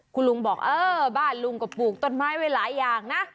คุณลุงบอกเออบ้านลุงก็ปลูกต้นไม้ไว้หลายอย่างนะ